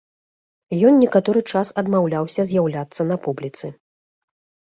Ён некаторы час адмаўляўся з'яўляцца на публіцы.